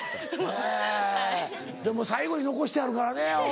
えぇでも最後に残してはるからね。